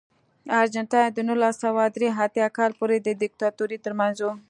ارجنټاین د نولس سوه درې اتیا کال پورې د دیکتاتورۍ ترمنځ و.